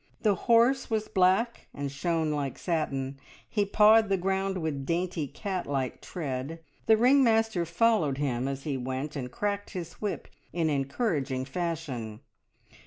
The horse was black, and shone like satin; he pawed the ground with dainty, cat like tread; the ring master followed him as he went, and cracked his whip in encouraging fashion.